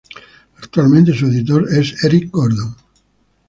Actualmente su editor es Eric Gordon.